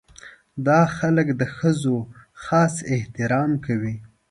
دا خلک د ښځو خاص احترام کوي.